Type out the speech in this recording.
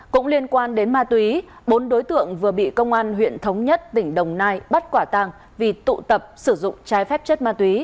cũng liên quan đến ma túy bốn đối tượng vừa bị công an huyện thống nhất tỉnh đồng nai bắt quả tàng vì tụ tập sử dụng trái phép chất ma túy